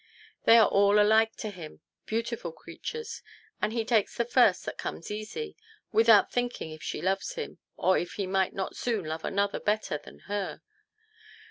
They are all alike to him, beautiful creatures, and he takes the first that comes easy, without thinking if she loves him, or if he might not soon love another better than her.